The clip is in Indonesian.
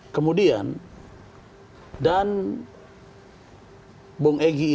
kemudian dan bung egy